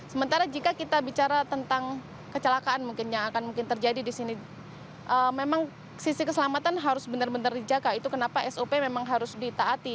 sementara jika kita bicara tentang kecelakaan mungkin yang akan mungkin terjadi di sini memang sisi keselamatan harus benar benar dijaga itu kenapa sop memang harus ditaati